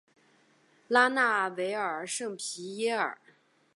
拉纳维尔圣皮耶尔。